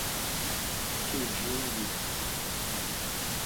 Quijingue